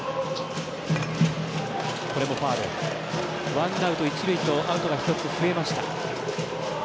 ワンアウト、一塁とアウトが１つ増えました。